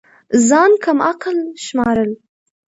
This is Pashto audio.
ځان كم عقل شمارل